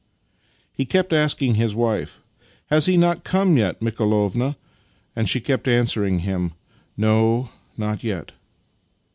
He kept asking his wife, " Has he not come yet, Mikolovna? " and she kept answering him, " No, not yet."